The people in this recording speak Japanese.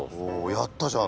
やったじゃん！